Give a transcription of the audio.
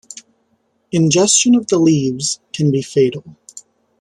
Ingestion of the leaves can be fatal.